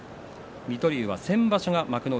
水戸龍は先場所幕内